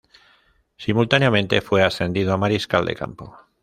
Simultáneamente fue ascendido a mariscal de campo.